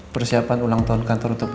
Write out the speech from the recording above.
persiapan ulang tahun kantor untuk bapak